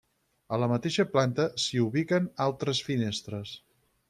A la mateixa planta s'hi ubiquen altres finestres.